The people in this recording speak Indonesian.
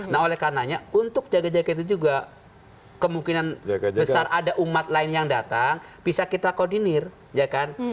nah oleh karenanya untuk jaga jaga itu juga kemungkinan besar ada umat lain yang datang bisa kita koordinir ya kan